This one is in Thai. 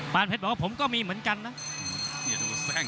เพชรบอกว่าผมก็มีเหมือนกันนะ